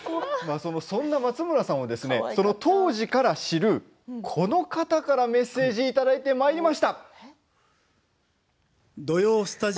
そんな松村さんを当時から知るこの方からメッセージをいただいています。